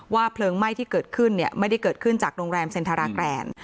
เพลิงไหม้ที่เกิดขึ้นไม่ได้เกิดขึ้นจากโรงแรมเซ็นทราแกรน